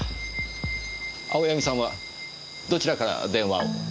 青柳さんはどちらから電話を？